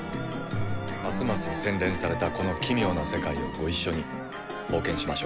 ますます洗練されたこの奇妙な世界をご一緒に冒険しましょう。